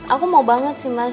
aku mau banget sih mas